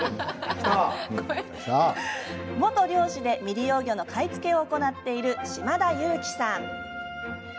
元漁師で未利用魚の買い付けを行っている島田祐樹さん。